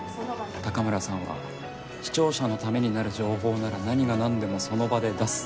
高村さんは視聴者のためになる情報なら何が何でもその場で出す。